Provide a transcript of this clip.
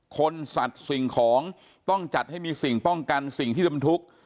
สัตว์สิ่งของต้องจัดให้มีสิ่งป้องกันสิ่งที่บรรทุก